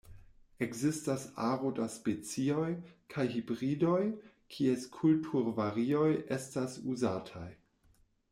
Ekzistas aro da specioj kaj hibridoj, kies kulturvarioj estas uzataj.